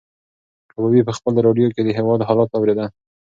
کبابي په خپلې راډیو کې د هېواد حالات اورېدل.